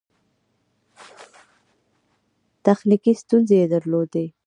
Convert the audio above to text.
تخنیکي ستونزې یې درلودې.